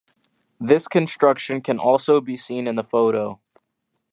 This construction can also be seen in the photo.